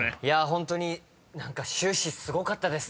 ホントに何か終始すごかったです。